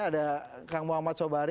ada kang muhammad sobari